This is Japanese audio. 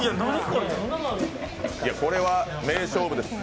これは名勝負です。